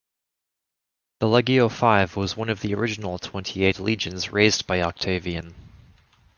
The Legio Five was one of the original twenty-eight legions raised by Octavian.